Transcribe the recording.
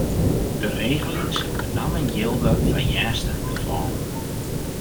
De regeling sil benammen jilde foar earnstige gefallen.